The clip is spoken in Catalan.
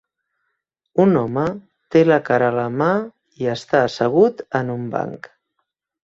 Un home té la cara a la mà i està assegut en un banc.